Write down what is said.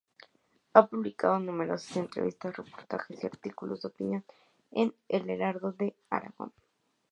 Ha publicado numerosas entrevistas, reportajes y artículos de opinión en Heraldo de Aragón.